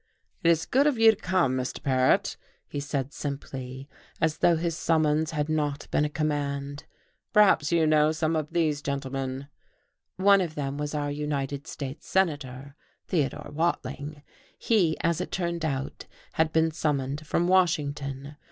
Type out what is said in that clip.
"It is good of you to come, Mr. Paret," he said simply, as though his summons had not been a command. "Perhaps you know some of these gentlemen." One of them was our United States Senator, Theodore Watling. He, as it turned out, had been summoned from Washington.